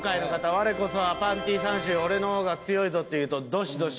我こそはパンティ３種俺の方が強いぞっていう人どしどし。